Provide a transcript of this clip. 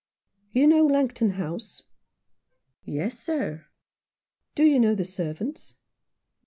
" You know Langton House ?" "Yes, sir." " Do you know the servants